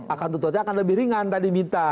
akan tutupnya akan lebih ringan tadi bita